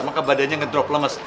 maka badannya ngedrop lemes